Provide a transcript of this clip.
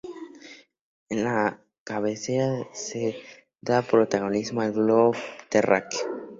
En la cabecera se da protagonismo al globo terráqueo.